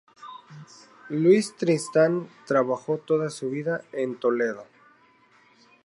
Luis Tristán trabajó toda su vida en Toledo.